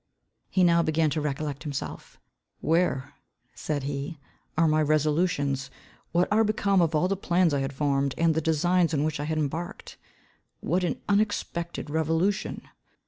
He now began to recollect himself. "Where," said he, "are all my resolutions? What are become of all the plans I had formed, and the designs in which I had embarked? What an unexpected revolution?